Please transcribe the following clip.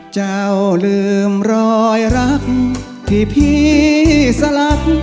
เจ้าลืมรอยรักพี่สลัด